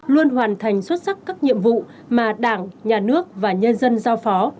luôn hoàn thành xuất sắc các nhiệm vụ mà đảng nhà nước và nhân dân giao phó